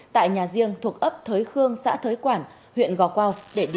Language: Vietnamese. tại nhà riêng thuộc ấp thới khương xã thới quản huyện gò quao